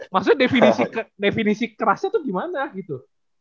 maksudnya definisi kerasnya itu gimana gitu